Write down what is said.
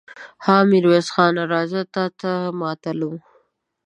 ها! ميرويس خان! راځه، تاته ماتله وو.